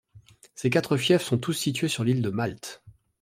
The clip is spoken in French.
Ces quatre fiefs sont tous situés sur l'île de Malte.